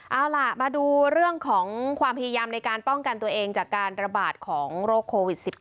เอาล่ะมาดูเรื่องของความพยายามในการป้องกันตัวเองจากการระบาดของโรคโควิด๑๙